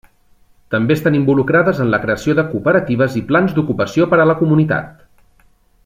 També estan involucrades en la creació de cooperatives i plans d'ocupació per a la comunitat.